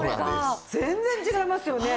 全然違いますよね！